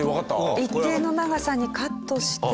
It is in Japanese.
一定の長さにカットして。